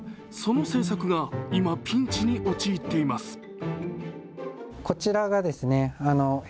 その製作が今、ピンチに陥っています。